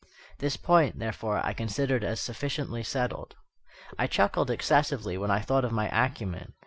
This point, therefore, I considered as sufficiently settled. I chuckled excessively when I thought of my acumen.